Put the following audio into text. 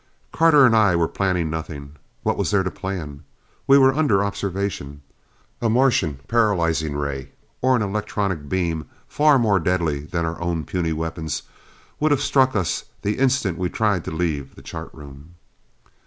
Carter and I were planning nothing. What was there to plan? We were under observation. A Martian paralyzing ray or an electronic beam, far more deadly than our own puny weapons would have struck us the instant we tried to leave the chart room.